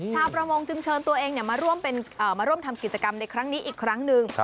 ชาวประมงจึงเชิญตัวเองมาร่วมทำกิจกรรมในครั้งนี้อีกครั้งหนึ่ง